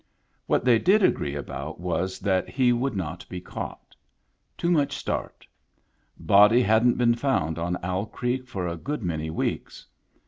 What they did agree about was that he would not be caught. Too much start Body hadn't been found on Owl Creek for a good many weeks.